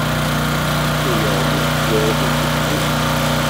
Mi yeɣli, yuɣ-itent deg ufus.